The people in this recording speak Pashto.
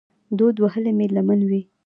دود وهلې مې لمن وي